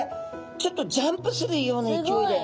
ちょっとジャンプするような勢いで。